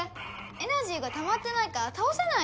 エナジーがたまってないからたおせないよ！